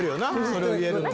それを言えるの。